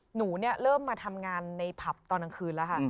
หนูเริ่มมาทำงานในผับตอนกลางคืนแล้วค่ะ